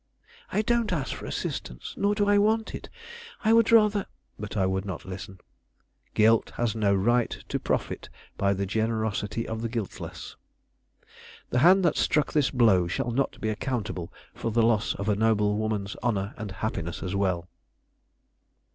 I don't ask for assistance, nor do I want it; I would rather " But I would not listen. "Guilt has no right to profit by the generosity of the guiltless. The hand that struck this blow shall not be accountable for the loss of a noble woman's honor and happiness as well.